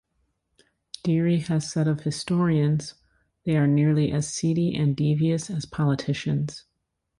Deary has said of historians: They are nearly as seedy and devious as politicians...